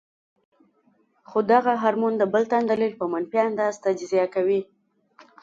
خو دغه هارمون د بل تن دليل پۀ منفي انداز تجزيه کوي -